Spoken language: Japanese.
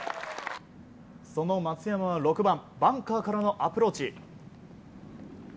その松山は６番バンカーからのアプローチ。